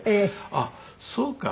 あっそうか。